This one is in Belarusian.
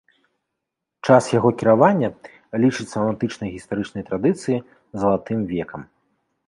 Час яго кіравання лічыцца ў антычнай гістарычнай традыцыі залатым векам.